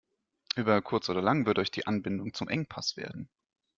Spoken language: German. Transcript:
Über kurz oder lang wird euch die Anbindung zum Engpass werden.